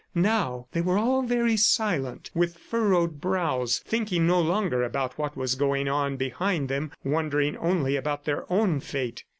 Now they were all very silent, with furrowed brows, thinking no longer about what was going on behind them, wondering only about their own fate.